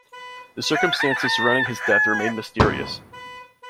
The circumstances surrounding his death remain mysterious.